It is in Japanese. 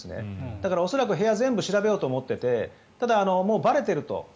だから、恐らく部屋を全部調べようと思っていてただ、もうばれていると。